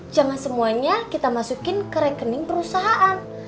jangan semuanya kita masukin ke rekening perusahaan